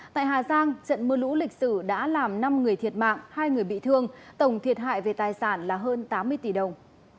tại hà giang trận mưa lũ lịch sử đã làm năm người thiệt mạng hai người bị thương tổng thiệt hại về tài sản là hơn tám mươi tỷ đồng